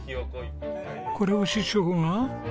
これを師匠が？